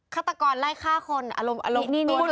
ฆาตกรไล่ฆ่าคนอารมณ์นี่